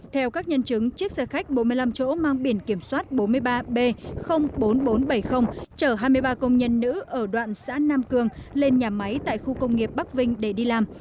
theo các nhân chứng chiếc xe khách bốn mươi năm chỗ mang biển kiểm soát bốn mươi ba b bốn nghìn bốn trăm bảy mươi chở hai mươi ba công nhân nữ ở đoạn xã nam cường lên nhà máy tại khu công nghiệp bắc vinh để đi làm